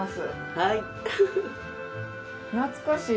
はい。